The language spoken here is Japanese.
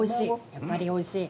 やっぱりおいしい。